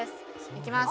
いきます。